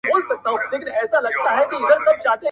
شاوخوا پر حجره یې لکه مار وګرځېدمه!!